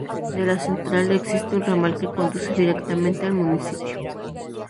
De la central existe un ramal que conduce directamente al Municipio.